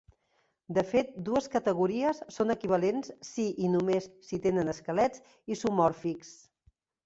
De fet, dues categories són equivalents si i només si tenen esquelets isomòrfics.